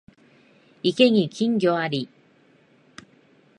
池に金魚あり